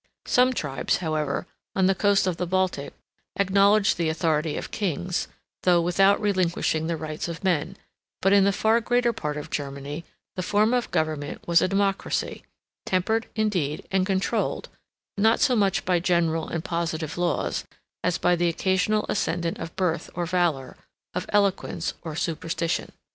42 Some tribes, however, on the coast of the Baltic, acknowledged the authority of kings, though without relinquishing the rights of men, 43 but in the far greater part of Germany, the form of government was a democracy, tempered, indeed, and controlled, not so much by general and positive laws, as by the occasional ascendant of birth or valor, of eloquence or superstition.